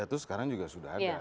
ya itu sekarang sudah ada